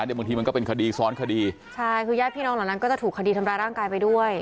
เดี๋ยวบางทีมันก็เป็นคดีซ้อนคดีใช่คือญาติพี่น้องเหล่านั้นก็จะถูกคดีทำร้ายร่างกายไปด้วย